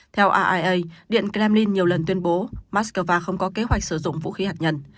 theo aia điện kremlin nhiều lần tuyên bố moscow không có kế hoạch sử dụng vũ khí hạt nhân